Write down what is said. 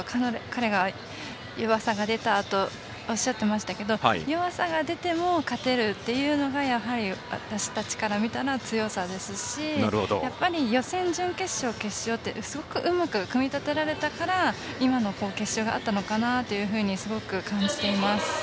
彼が弱さが出たとおっしゃってましたけど弱さが出ても勝てるっていうのがやはり、私たちから見たら強さですし、やっぱり予選、準決勝決勝って、すごくうまく組み立てられたから今の決勝があったのかなってすごく感じています。